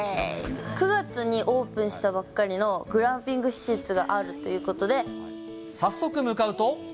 ９月にオープンしたばっかりのグランピング施設があるということ早速向かうと。